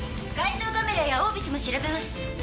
街頭カメラやオービスも調べます。